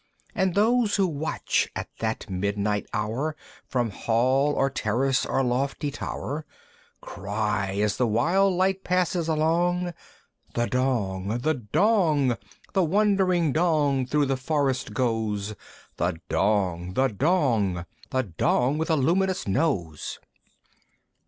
And those who watch at that midnight hour From Hall or Terrace, or lofty Tower, Cry, as the wild light passes along, "The Dong! the Dong! "The wandering Dong through the forest goes! "The Dong! the Dong! "The Dong with a luminous Nose!"